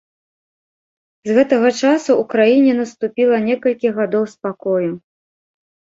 З гэтага часу ў краіне наступіла некалькі гадоў спакою.